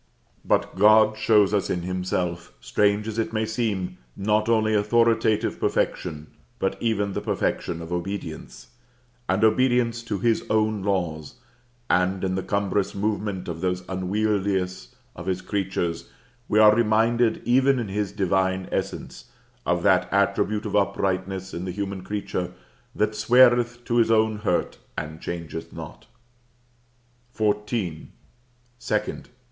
But God shows us in Himself, strange as it may seem, not only authoritative perfection, but even the perfection of Obedience an obedience to His own laws: and in the cumbrous movement of those unwieldiest of His creatures we are reminded, even in His divine essence, of that attribute of uprightness in the human creature "that sweareth to his own hurt and changeth not." XIV. 2d.